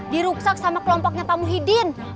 dirusak sama kelompoknya pak muhyiddin